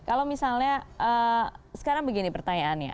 kalau misalnya sekarang begini pertanyaannya